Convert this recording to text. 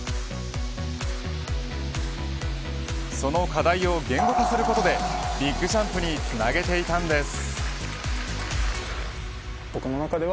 その課題を言語化することでビッグジャンプにつなげていたんです。